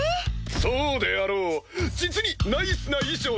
そうであろう実にナイスな衣装だ！